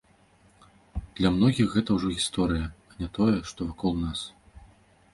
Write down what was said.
Для многіх гэта ўжо гісторыя, а не тое, што вакол нас.